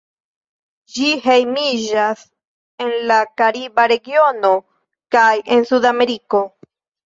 Ĝi hejmiĝas en la kariba regiono kaj en Sudameriko.